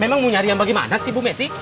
memang mau nyari yang bagaimana sih bu messi